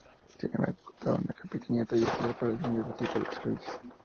Sin embargo contaba con Capitanía, talleres de reparación y otro tipo de servicios.